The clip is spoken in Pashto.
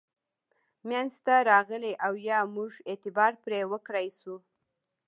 منځته راغلي او یا موږ اعتبار پرې وکړای شو.